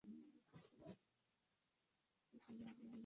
Su capital es la Ciudad de Ureña.